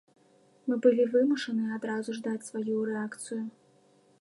Мы былі вымушаныя адразу ж даць сваю рэакцыю.